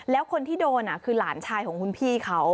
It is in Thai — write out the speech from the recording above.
แล้วคนที่โดนคือหลานชายของคุณพี่เขา